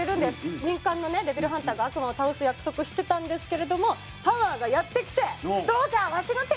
民間のねデビルハンターが悪魔を倒す約束をしてたんですけれどもパワーがやって来て。